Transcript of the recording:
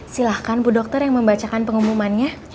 silahkan bu dokter yang membacakan pengumumannya